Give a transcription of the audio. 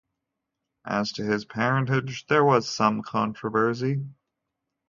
As to his parentage there was some controversy.